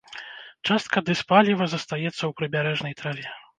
Частка дызпаліва застаецца ў прыбярэжнай траве.